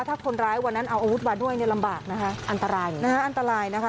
ถ้าคนร้ายวันนั้นเอาอาวุธมาด้วยเนี่ยลำบากนะคะอันตรายนะฮะอันตรายนะคะ